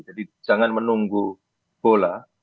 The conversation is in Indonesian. jadi jangan menunggu bola